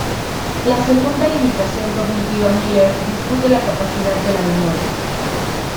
La segunda limitación cognitiva Miller discute la capacidad de la memoria.